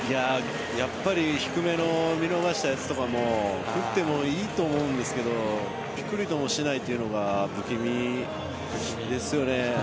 やっぱり低めの見逃したやつとかも振ってもいいと思うんですがピクリともしないというのが不気味ですよね。